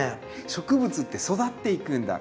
植物って育っていくんだ